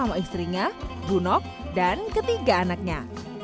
sama istrinya bunok dan ketiga anaknya